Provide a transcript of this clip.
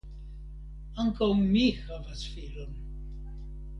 Ankaŭ mi havas filon.